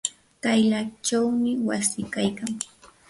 kaylachawmi wasi kaykan.